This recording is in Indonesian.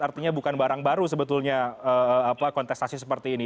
artinya bukan barang baru sebetulnya kontestasi seperti ini